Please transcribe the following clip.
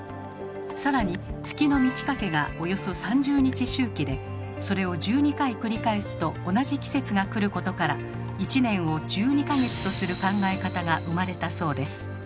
更に月の満ち欠けがおよそ３０日周期でそれを１２回繰り返すと同じ季節が来ることから１年を１２か月とする考え方が生まれたそうです。